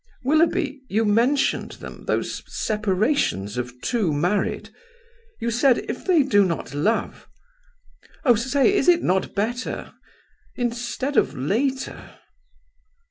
"Willoughby, you mentioned them, those separations of two married. You said, if they do not love ... Oh! say, is it not better instead of later?"